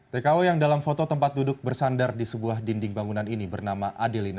tko yang dalam foto tempat duduk bersandar di sebuah dinding bangunan ini bernama adelina